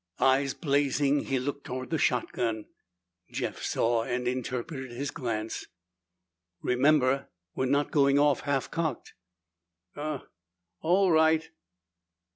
Eyes blazing, he looked toward the shotgun. Jeff saw and interpreted his glance. "Remember! We're not going off half cocked." "Uh All right."